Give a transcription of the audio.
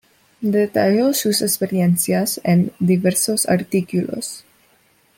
Detalló sus experiencias en diversos artículos.